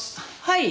はい。